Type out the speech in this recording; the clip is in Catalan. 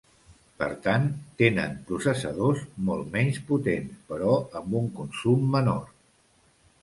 Per tant, tenen processadors molt menys potents però amb un consum menor.